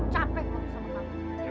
capek banget sama kamu